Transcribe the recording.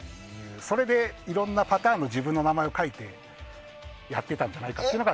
それで、いろんなパターンの自分の名前を書いてやっていたんじゃないかと。